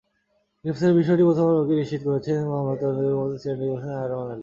গ্রেপ্তারের বিষয়টি প্রথম আলোকে নিশ্চিত করেছেন মামলার তদন্তকারী কর্মকর্তা সিআইডির পরিদর্শক আরমান আলী।